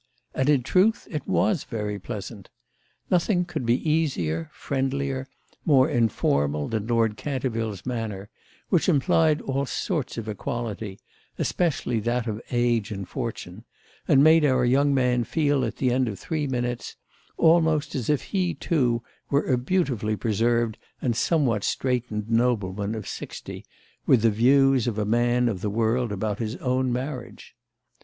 And in truth it was very pleasant. Nothing could be easier, friendlier, more informal, than Lord Canterville's manner, which implied all sorts of equality, especially that of age and fortune, and made our young man feel at the end of three minutes almost as if he too were a beautifully preserved and somewhat straitened nobleman of sixty, with the views of a man of the world about his own marriage.